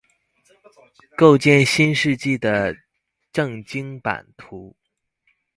構建新世紀的政經版圖